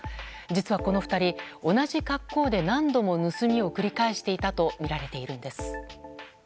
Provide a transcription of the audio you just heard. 実はこの２人、同じ格好で何度も盗みを繰り返していたとみられているんです。